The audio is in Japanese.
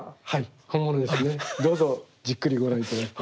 どうぞじっくりご覧頂いて。